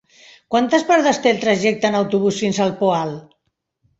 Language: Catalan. Quantes parades té el trajecte en autobús fins al Poal?